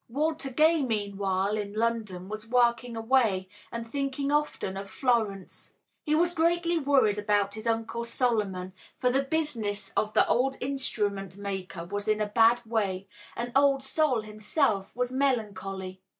Walter Gay, meanwhile, in London, was working away and thinking often of Florence. He was greatly worried about his Uncle Solomon, for the business of the old instrument maker was in a bad way, and Old Sol himself was melancholy.